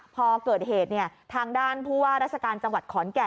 พอเกิดเหตุทางด้านผู้ว่าราชการจังหวัดขอนแก่น